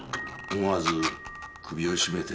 思わず首を絞めて。